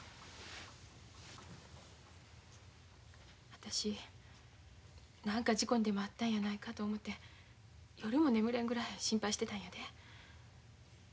私何か事故にでも遭ったんやないかと思て夜も眠れんぐらい心配してたんやで。